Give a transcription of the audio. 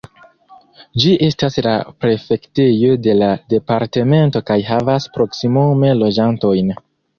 Ĝi estas la prefektejo de la departemento kaj havas proksimume loĝantojn.